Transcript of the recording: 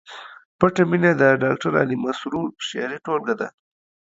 پټه مینه د ډاکټر علي مسرور شعري ټولګه ده